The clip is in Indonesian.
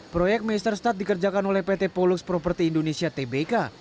proyek meisterstad dikerjakan oleh pt polux properti indonesia tbk